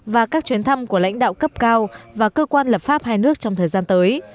và các chuyến thăm của lãnh đạo cấp cao và cơ quan lập pháp hai nước trong thời gian tới